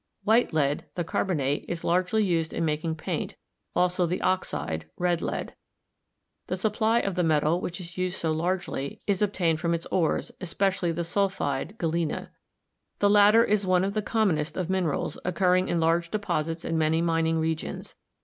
White lead (the carbonate) is largely used in making paint, also the oxide, red lead. The supply of the metal, which is used so largely, is obtained from its ores, especially the sulphide, galena. The latter is one of the commonest of minerals, occurring in large deposits in many mining regions.